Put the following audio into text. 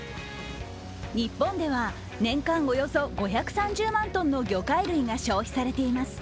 日本では、年間およそ５３０万トンの魚介類が消費されています。